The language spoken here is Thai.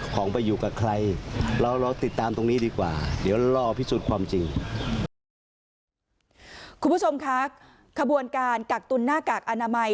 คุณผู้ชมคะขบวนการกักตุนหน้ากากอนามัย